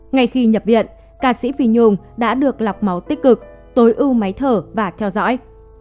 ngay khi nhập viện ca sĩ phi nhung đã được lọc máu tích cực tối ưu máy thở và theo dõi